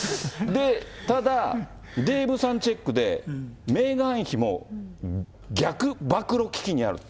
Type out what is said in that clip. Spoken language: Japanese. ただ、デーブさんチェックで、メーガン妃も逆暴露危機にあると。